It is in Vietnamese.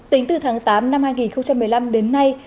tính từ tháng tám năm hai nghìn một mươi năm đến nay